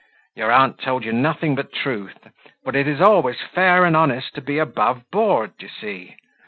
Your aunt told you nothing but truth; for it is always fair and honest to be above board, d'ye see.